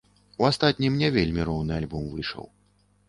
У астатнім не вельмі роўны альбом выйшаў.